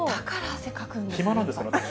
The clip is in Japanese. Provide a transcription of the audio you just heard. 暇なんですかね、私。